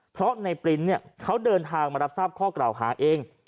เพราะในปริ้นเนี่ยเขาเดินทางมารับทราบข้อกล่าวหาเอง